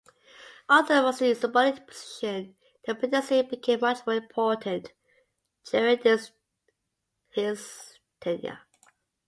Although a mostly symbolic position, the presidency became much more important during his tenure.